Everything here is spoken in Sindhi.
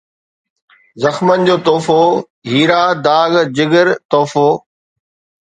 زخمن جو تحفو ، هيرا ، داغ ، جگر ، تحفو